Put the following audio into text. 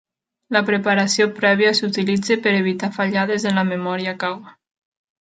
La preparació prèvia s'utilitza per evitar fallades en la memòria cau.